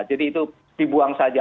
jadi itu dibuang saja